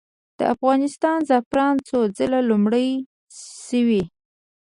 د افغانستان زعفران څو ځله لومړي شوي؟